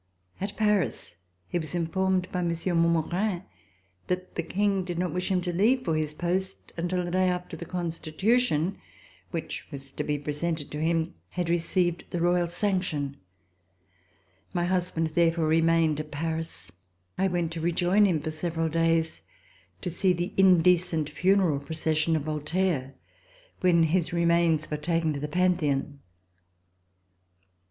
At Paris he was informed by Monsieur Montmorin that the King did not wish him to leave for his post until the day after the [ 124] RESIDENCE IN HOLLAND Constitution, which was to be presented to him, had received the royal sanction. My husband therefore remained at Paris. I went to rejoin him for several days to see the indecent funeral procession of Voltaire when his remains were taken to the Pantheon.